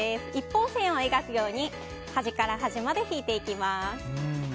１本線を描くように端から端まで引いていきます。